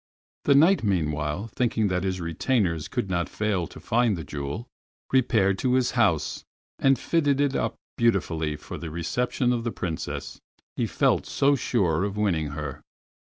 The Knight meanwhile, thinking that his retainers could not fail to find the jewel, repaired to his house, and fitted it up beautifully for the reception of the Princess, he felt so sure of winning her.